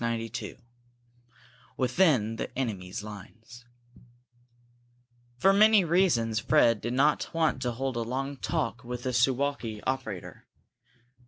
CHAPTER VIII WITHIN THE ENEMY'S LINES For many reasons Fred did not want to hold a long talk with the Suwalki operator.